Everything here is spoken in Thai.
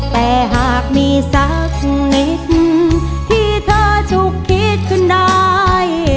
แต่หากมีสักนิดที่เธอฉุกคิดขึ้นได้